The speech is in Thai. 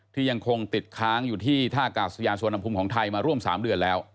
ที่ยังคงติดค้างอยู่ที่ท่ากาศยานสวนภูมิของไทยมาร่วม๓เดือนแล้ว